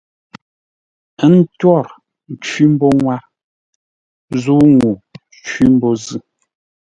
Ə ntwor cwí mbô ŋwár zə̂u ŋuu cwí mbô zʉ́.